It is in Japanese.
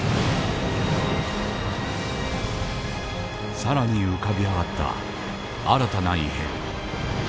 更に浮かび上がった新たな異変。